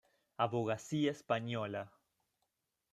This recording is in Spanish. Abogacía Española.